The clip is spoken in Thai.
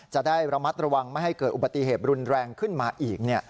จะได้ระมัดระวังไม่ให้เกิดอุบัติเหตุรุนแรงขึ้นมาอีก